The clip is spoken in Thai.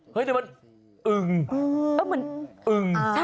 เฮ้ยแต่มันอึง